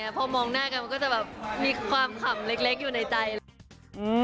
พอมองหน้ากันมันก็จะแบบมีความขำเล็กอยู่ในใจเลย